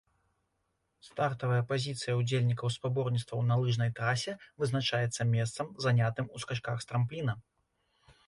Стартавая пазіцыя ўдзельнікаў спаборніцтваў на лыжнай трасе вызначаецца месцам, занятым у скачках з трампліна.